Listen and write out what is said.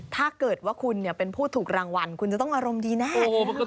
ถ้าเกิดว่าคุณเป็นผู้ถูกรางวัลคุณจะต้องอารมณ์ดีแน่